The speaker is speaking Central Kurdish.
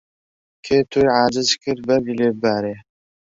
کێ تۆی عاجز کرد بەردی لێ ببارێ